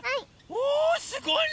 おすごいね！